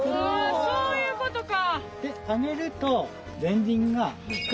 そういうことか！